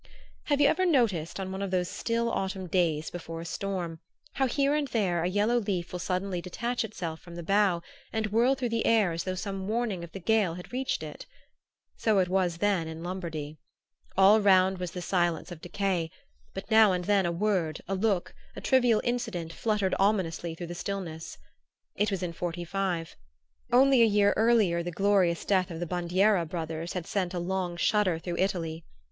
Have you ever noticed, on one of those still autumn days before a storm, how here and there a yellow leaf will suddenly detach itself from the bough and whirl through the air as though some warning of the gale had reached it? So it was then in Lombardy. All round was the silence of decay; but now and then a word, a look, a trivial incident, fluttered ominously through the stillness. It was in '45. Only a year earlier the glorious death of the Bandiera brothers had sent a long shudder through Italy.